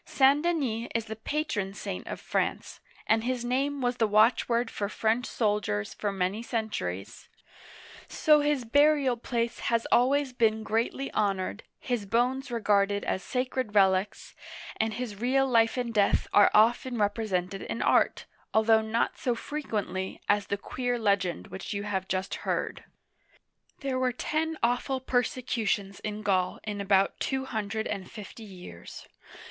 St. Denis is the patron saint Painting by Bonnat. The Martyrdom of St. Denis. of France, and his name was the watchword for French soldiers for many centuries ; so his burial place has always been greatly honored,, his bones regarded as sacred relics, and his real life and death are often represented in art. uigiTizea Dy vjiOOQlC 40 OLD FRANCE although not so frequently as the queer legend which you have just heard. There were ten awful persecutions in Gaul in about two hundred and fifty years.